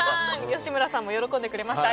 吉村さんも喜んでくれました。